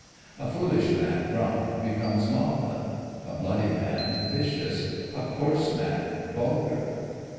A foolish man drunk becomes maudlin; a bloody man, vicious; a coarse man, vulgar.